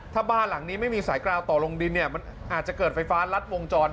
ถ้าบ้านหลังนี้ไม่มีสายกราวต่อลงดินเนี่ยมันอาจจะเกิดไฟฟ้ารัดวงจร